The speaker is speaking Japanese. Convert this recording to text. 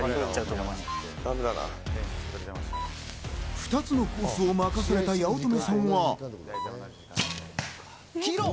２つのコースを任された八乙女さんは。